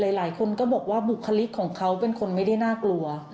หลายคนก็บอกว่าบุคลิกของเขาเป็นคนไม่ได้น่ากลัว